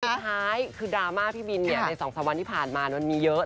สุดท้ายคือดราม่าพี่บินใน๒๓วันที่ผ่านมามันมีเยอะ